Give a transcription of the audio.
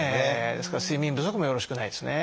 ですから睡眠不足もよろしくないですね。